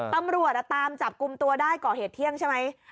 ตำรวจตามจับกลุ่มตัวได้ก่อเหตุเที่ยงใช่ไหม